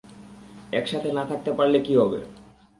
একসাথে না থাকতে পারলে কি হবে?